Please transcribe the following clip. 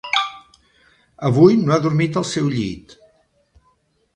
Avui no ha dormit al seu llit.